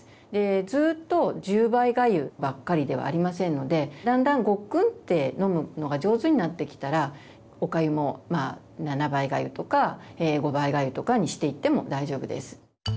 ずっと１０倍がゆばっかりではありませんのでだんだんごっくんって飲むのが上手になってきたらおかゆも７倍がゆとか５倍がゆとかにしていっても大丈夫です。